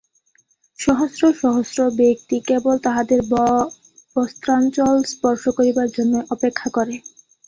সহস্র সহস্র ব্যক্তি কেবল তাঁহাদের বস্ত্রাঞ্চল স্পর্শ করিবার জন্যই অপেক্ষা করে।